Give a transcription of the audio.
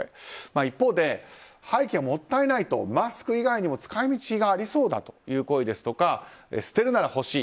一方で、廃棄はもったいないとマスク以外にも使い道がありそうだという声ですとか捨てるなら欲しい。